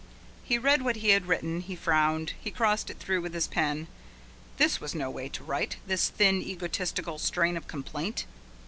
He read what he had written; he frowned; he crossed it through with his pen. This was no way to write, this thin egotistical strain of complaint.